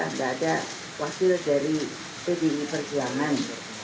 tidak ada wakil dari pdi perjuangan